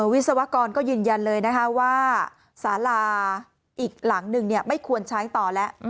วิศวกรก็ยืนยันเลยนะคะว่าสาราอีกหลังหนึ่งไม่ควรใช้ต่อแล้ว